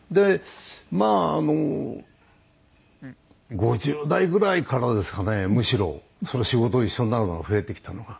まああの５０代ぐらいからですかねむしろ仕事一緒になるのが増えてきたのが。